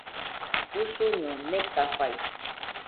Usuño nekafaɨ